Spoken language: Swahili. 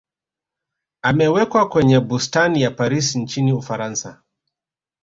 amewekwa kwenye bustani ya paris nchini ufaransa